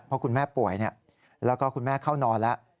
เพราะคุณแม่ป่วยแล้วก็คุณแม่เข้านอนแล้ว